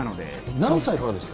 何歳からですか？